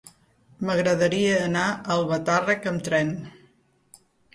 M'agradaria anar a Albatàrrec amb tren.